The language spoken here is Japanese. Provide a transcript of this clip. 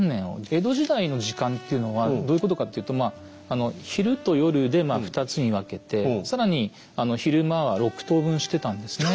江戸時代の時間っていうのはどういうことかっていうと昼と夜で２つに分けて更に昼間は６等分してたんですね。